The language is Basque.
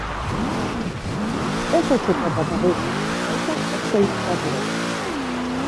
Ez etxekoak bakarrik, baita hozkailukoak ere.